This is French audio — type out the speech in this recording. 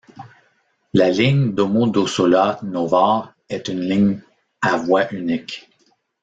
La ligne Domodossola-Novare est une ligne à voie unique.